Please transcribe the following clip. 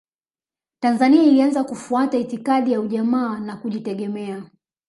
Tanzania ilianza kufuata itikadi ya ujamaa na kujitegemea